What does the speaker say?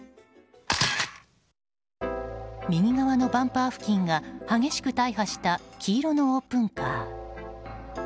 右側のバンパー付近が激しく大破した黄色のオープンカー。